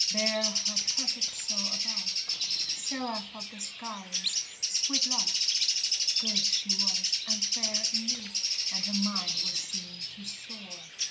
Bear her perfect soul above. Seraph of the skies, sweet love! Good she was, and fair in youth; And her mind was seen to soar.